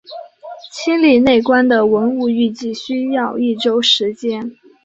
清理内棺的文物预计需要一周时间。